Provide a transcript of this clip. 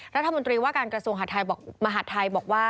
รัฐมนตรีว่าการกระทรวงมหาดไทยบอกว่า